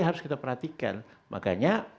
harus kita perhatikan makanya